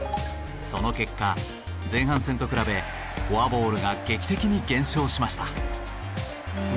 その結果前半戦と比べフォアボールが劇的に減少しました。